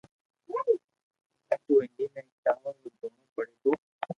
تو ھنڌي ۾ ايڪ چاور رو دوڻو پڙيو تو